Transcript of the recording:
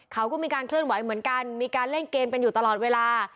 เขาก็มีการเคลื่อนไหวเหมือนกันมีการเล่นเกมกันอยู่ตลอดเวลา